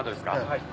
はい。